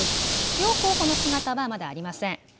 両候補の姿はまだありません。